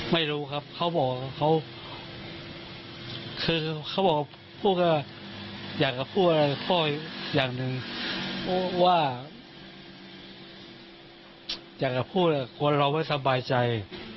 เพราะว่าอยากจะพูดกลัวเราไม่สบายใจ